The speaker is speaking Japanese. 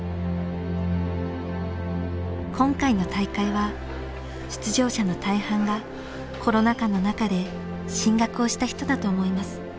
今回の大会は出場者の大半がコロナ禍の中で進学をした人だと思います。